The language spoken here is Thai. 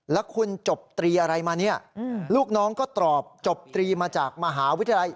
แล้วคุณจบตรีอะไรมาเนี่ยลูกน้องก็ตอบจบตรีมาจากมหาวิทยาลัย